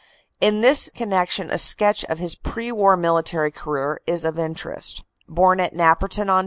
In this connection a sketch of his pre war military career is of interest. Born at Napperton, Ont.